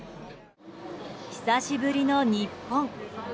久しぶりの日本。